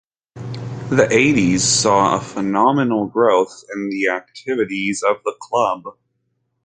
The eighties saw a phenomenal growth in the activities of the club.